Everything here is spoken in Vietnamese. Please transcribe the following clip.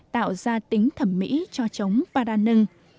tạo ra tính thẩm mỹ cho trống paranưng